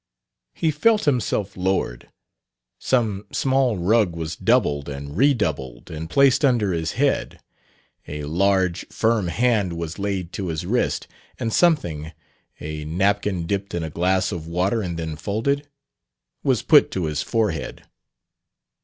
He felt himself lowered; some small rug was doubled and redoubled and placed under his head; a large, firm hand was laid to his wrist; and something a napkin dipped in a glass of water and then folded? was put to his forehead.